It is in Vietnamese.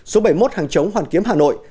số bảy mươi một hàng chống hoàn kiếm hà nội